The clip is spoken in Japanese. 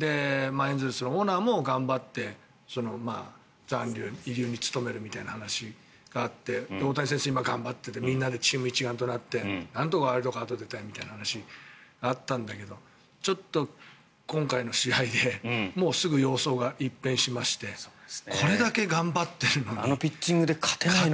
エンゼルスのオーナーも頑張って残留、慰留に努めるみたいな話があって大谷も頑張ってみんなでチーム一丸となってなんとかワイルドカード出たいという話があってちょっと今回の試合ですぐに様相が一変しましてこれだけ頑張っているのに勝てない。